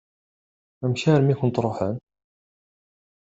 Amek armi i kent-ṛuḥen?